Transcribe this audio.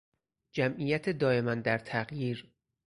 جمعیت دایما در تغییر